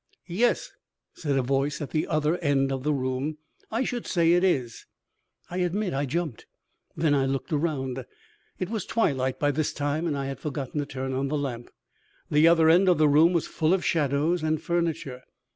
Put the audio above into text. "Yes," said a voice at the other end of the room, "I should say it is!" I admit I jumped. Then I looked around. It was twilight by this time and I had forgotten to turn on the lamp. The other end of the room was full of shadows and furniture.